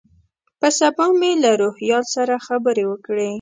په سبا مې له روهیال سره خبرې وکړې.